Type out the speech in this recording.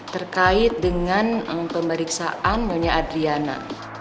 terkait dengan pemeriksaan nyonya adriana